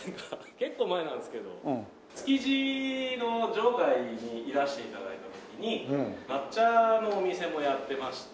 結構前なんですけど築地の場外にいらして頂いた時に抹茶のお店もやってまして。